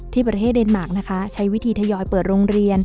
ที่ประเทศเดนมาร์คนะคะใช้วิธีทยอยเปิดโรงเรียน